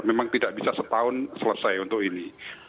memang tidak bisa setahun selesai untuk ini